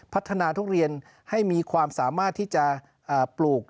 ทุเรียนให้มีความสามารถที่จะปลูก